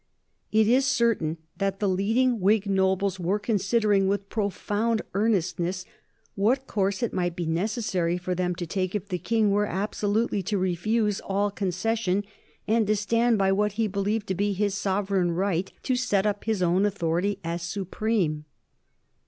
It is certain that the leading Whig nobles were considering, with profound earnestness, what course it might be necessary for them to take if the King were absolutely to refuse all concession and to stand by what he believed to be his sovereign right to set up his own authority as supreme.